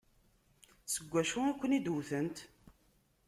S wacu i ken-id-wtent?